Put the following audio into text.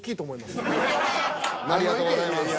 ありがとうございます。